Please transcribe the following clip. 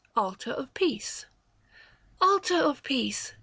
ALTAR OF PEACE. Altar of Peace